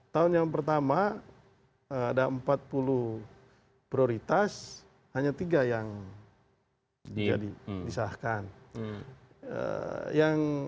tahun yang pertama ada empat puluh prioritas hanya tiga yang disahkan